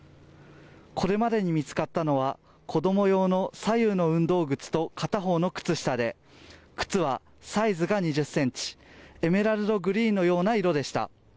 これまでに見つかったのは、子供用の左右の運動靴と片方の靴下で、靴はサイズが２０ｃｍ、エメラルドグリーンのような色でした。